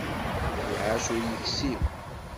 Iɛac ur yeksib.